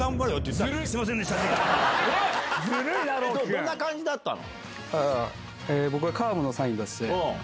どんな感じだったの？